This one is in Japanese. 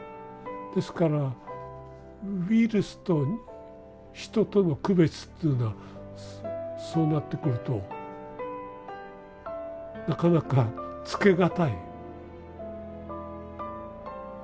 ですからウイルスと人との区別っていうのはそうなってくるとなかなかつけがたい。